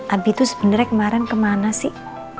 abi tuh sebenernya kemarin kemana sih